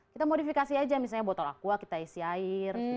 kita modifikasi aja misalnya botol aqua kita isi air